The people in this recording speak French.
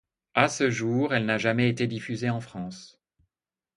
À ce jour, elle n'a jamais été diffusée en France.